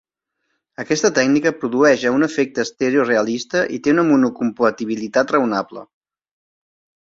Aquesta tècnica produeix a un efecte estèreo realista i té una monocompatibilitat raonable.